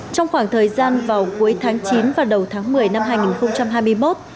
trong khoảng thời gian vào cuối tháng chín và đầu tháng một mươi năm hai nghìn hai mươi một